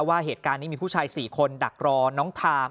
ว่าเหตุการณ์นี้มีผู้ชาย๔คนดักรอน้องทา